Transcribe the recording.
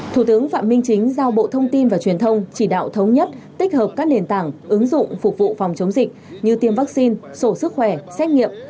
thủ tướng phạm minh chính giao bộ thông tin và truyền thông chỉ đạo thống nhất tích hợp các nền tảng ứng dụng phục vụ phòng chống dịch như tiêm vaccine sổ sức khỏe xét nghiệm